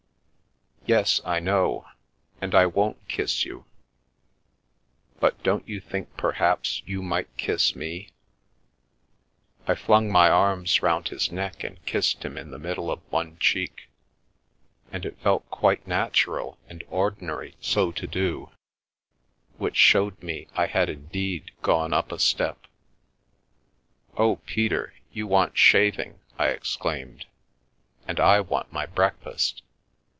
"Yes, I know. And I won't kiss you. But don't you think perhaps you might kiss me? " I flung my arms round his neck and kissed him in the middle of one cheek, and it felt quite natural and ordinary so to do, which showed me I had indeed gone up a step. " Oh, Peter, you want shaving !" I exclaimed, " and I want my breakfast.